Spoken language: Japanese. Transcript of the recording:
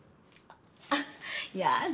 あっやだ